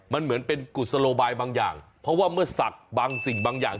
มันเหมือนเป็นกุศโลบายบางอย่างเพราะว่าเมื่อศักดิ์บางสิ่งบางอย่าง